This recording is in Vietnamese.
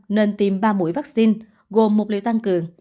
nên tiêm ba mũi vaccine gồm một liệu tăng cường